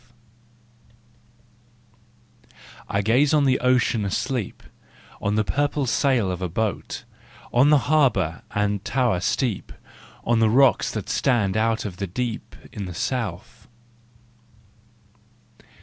3 6o THE JOYFUL WISDOM I gaze on the ocean asleep, On the purple sail of a boat; On the harbour and tower steep, On the rocks that stand out of the deep, In the South!